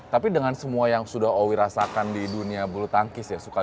tapi dengan semua yang sudah owi rasakan di dunia bulu tangkis ya